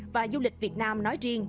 và du lịch việt nam nói riêng